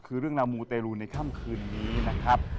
คือเรื่องราวมูเตรลูในค่ำคืนนี้นะครับ